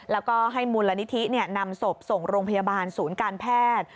แล้วก็ให้มูลนิธินำศพส่งโรงพยาบาลศูนย์การแพทย์